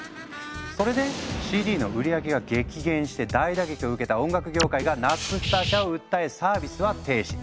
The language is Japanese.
それでＣＤの売り上げが激減して大打撃を受けた音楽業界がナップスター社を訴えサービスは停止。